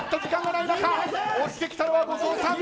押してきたのは後藤さん。